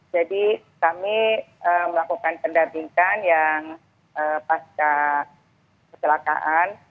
jadi kami melakukan pendampingan yang pasca kecelakaan